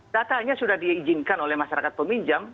datanya sudah diizinkan oleh masyarakat peminjam